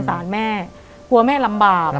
แต่ขอให้เรียนจบปริญญาตรีก่อน